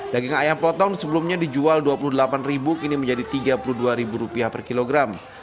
daging ayam potong sebelumnya dijual rp dua puluh delapan kini menjadi rp tiga puluh dua per kilogram